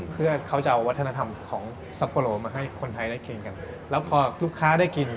เพื่อเขาจะเอาวัฒนธรรมของซัปโปโลมาให้คนไทยได้กินกันแล้วพอลูกค้าได้กิน